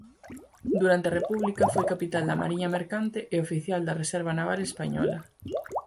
Durante a República foi capitán da Mariña Mercante e oficial da reserva naval española.